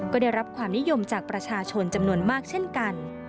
ก็ได้รับความนิยมจากประชาชนจำนวนมากเช่นกัน